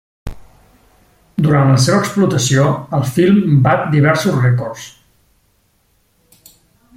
Durant la seva explotació, el film bat diversos rècords.